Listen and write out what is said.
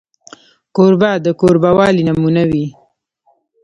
کوربه د کوربهوالي نمونه وي.